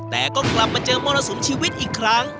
แต่ก็กลับมาเจอมรสุมชีวิตอีกครั้ง